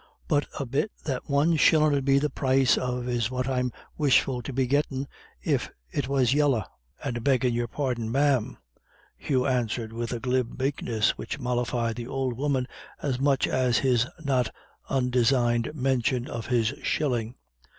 But a bit that one shillin' 'ud be the price of is what I'm wishful to be gettin', if it was yella and beggin' your pardon, ma'am," Hugh answered with a glib meekness, which mollified the old woman as much as his not undesigned mention of his shilling.